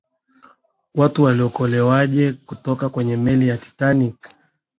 watu waliokolewaje kutoka kwenye meli ya titanic